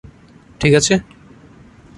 ঠিক আছে?